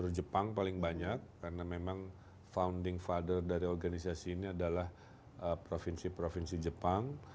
jalur jepang paling banyak karena memang founding father dari organisasi ini adalah provinsi provinsi jepang